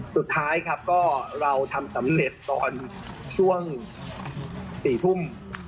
สุดท้ายครับก็เราทำสำเร็จตอนช่วง๔ทุ่ม